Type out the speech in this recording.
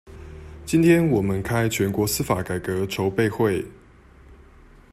今天我們開全國司法改革籌備會